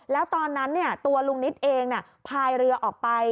แล้วตอนนั้นตัวลุงนิดเองพายเรือออกไป